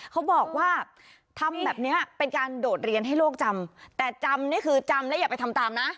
เขาบอกว่าทำแบบเนี้ยเป็นการโดดเรียนให้โลกจำแต่จำนี่คือจำและอย่าไปทำตามนะ